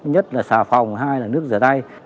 nhất là xà phòng hai là nước rửa tay